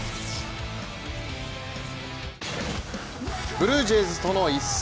ブルージェイズとの一戦。